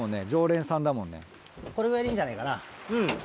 これぐらいでいいんじゃないかな？